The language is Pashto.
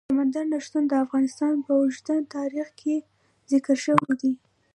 سمندر نه شتون د افغانستان په اوږده تاریخ کې ذکر شوی دی.